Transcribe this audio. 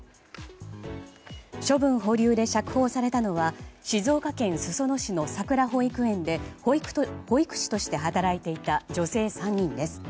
処分保留で釈放されたのは静岡県裾野市のさくら保育園で保育士として働いていた女性３人です。